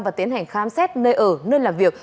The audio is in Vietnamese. và tiến hành khám xét nơi ở nơi làm việc